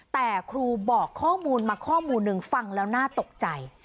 แต่ครูบอกข้อมูลมาข้อมูลหนึ่งฟังแล้วน่าตกใจ